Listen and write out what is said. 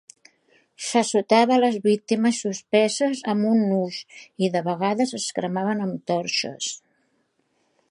S'assotava les víctimes suspeses amb un nus i, de vegades, es cremaven amb torxes.